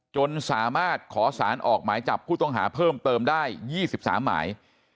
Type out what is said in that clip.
จนสามารถขอสารออกหมายจับผู้ต้องหาเพิ่มเติมได้๒๓หมาย